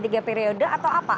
tiga periode atau apa